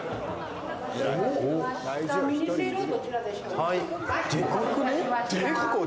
はい。